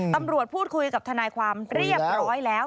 ตำรวจพูดคุยกับทนายความเรียบร้อยแล้ว